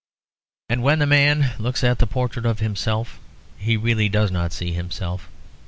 And when the man looks at the portrait of himself he really does not see himself.